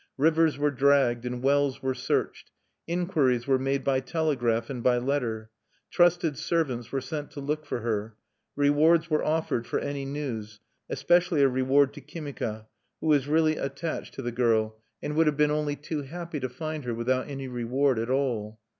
Rivers were dragged, and wells were searched. Inquiries were made by telegraph and by letter. Trusted servants were sent to look for her. Rewards were offered for any news especially a reward to Kimika, who was really attached to the girl, and would have been only too happy to find her without any reward at all.